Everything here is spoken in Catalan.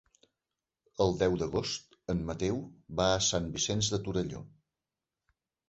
El deu d'agost en Mateu va a Sant Vicenç de Torelló.